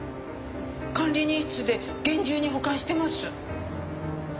管理人室で厳重に保管してます。